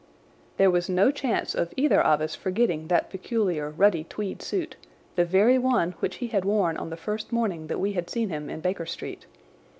There was no chance of either of us forgetting that peculiar ruddy tweed suit—the very one which he had worn on the first morning that we had seen him in Baker Street.